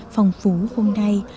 phòng phú hôm nay